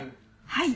はい。